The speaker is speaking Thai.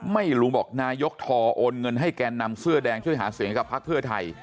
ไม่รู้บอกนายกทอโอนเงินให้แกนนำเสื้อแดงช่วยหาเสียงให้กับพักเพื่อไทย